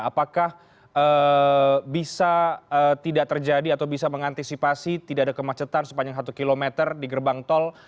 apakah bisa tidak terjadi atau bisa mengantisipasi tidak ada kemacetan sepanjang satu km di gerbang tol